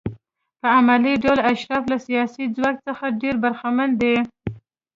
په عملي ډول اشراف له سیاسي ځواک څخه ډېر برخمن دي.